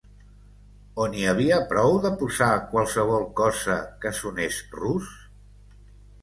O n’hi havia prou de posar qualsevol cosa que sonés rus?